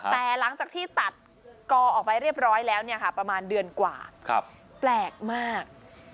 แต่หลังจากที่ตัดกอออกไปเรียบร้อยแล้วประมาณเดือนกว่าแปลกมาก